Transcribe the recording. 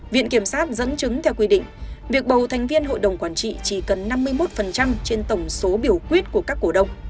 viện kiểm sát dẫn chứng theo quy định việc bầu thành viên hội đồng quản trị chỉ cần năm mươi một trên tổng số biểu quyết của các cổ đông